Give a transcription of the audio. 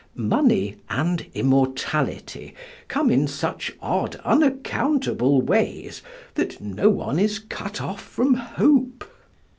Money and immortality come in such odd unaccountable ways that no one is cut off from hope.